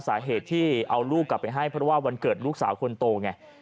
สาเหตุที่เอาลูกกลับไปให้เพราะว่าวันเกิดลูกสาวคนโตไง